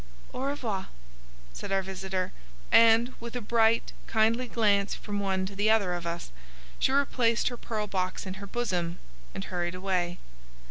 "Au revoir," said our visitor, and, with a bright, kindly glance from one to the other of us, she replaced her pearl box in her bosom and hurried away.